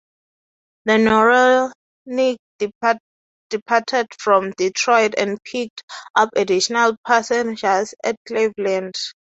The "Noronic" departed from Detroit and picked up additional passengers at Cleveland.